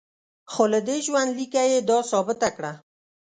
خو له دې ژوندلیکه یې دا ثابته کړه.